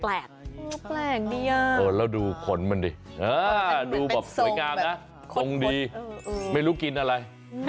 แปลกดีอ่ะแล้วดูขนมันดิดูแบบสวยงามนะคงดีไม่รู้กินอะไร